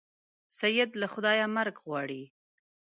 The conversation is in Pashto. سید له خدایه مرګ غواړي.